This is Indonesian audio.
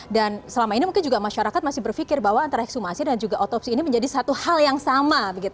dan selama ini mungkin juga masyarakat masih berpikir bahwa antara ekshumasi dan juga otopsi ini menjadi satu hal yang sama